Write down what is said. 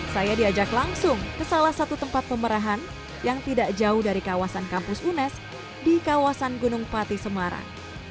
saya diajak langsung ke salah satu tempat pemerahan yang tidak jauh dari kawasan kampus unes di kawasan gunung pati semarang